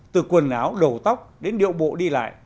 từ quần áo đầu tóc đến điệu bộ đi lại